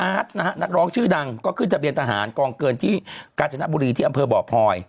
อ๋ออาร์ทนะฮะนักร้องชื่อดังก็คือทะเบียนทหารกองเกินที่กาจนบุรีที่อำเภอบ่อพลอย